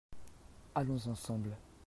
allons ensemble.